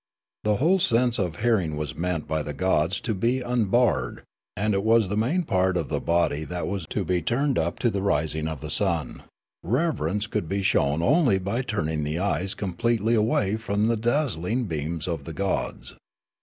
The whole sense of hearing was meant by the gods to be unbared ; and it was the main part of the body that was to be turned up to the rising of the sun ; reverence could be shown only by turning the eyes completely Coxuria 323 avva}^ from the dazzling beams of the gods.